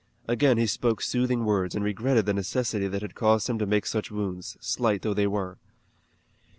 Again he spoke soothing words and regretted the necessity that had caused him to make such wounds, slight though they were.